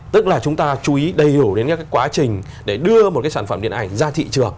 tức là chúng ta chú ý đầy đủ đến các quá trình để đưa một cái sản phẩm điện ảnh ra thị trường